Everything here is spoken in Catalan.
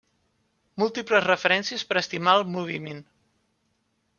Múltiples referències per estimar el moviment.